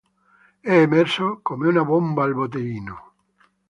È emerso come una bomba al botteghino.